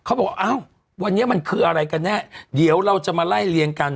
เขาบอกอ้าววันนี้มันคืออะไรกันแน่เดี๋ยวเราจะมาไล่เลี้ยงกัน